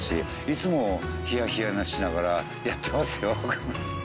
いつもヒヤヒヤしながらやってますよ。